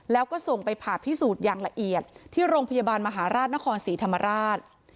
แล้วก็ส่งไปผ่าพิสูจน์อย่างละเอียดที่โรงพยาบาลมหาราชนครศรีธรรมราช